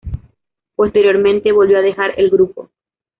Posteriormente volvió a dejar el grupo.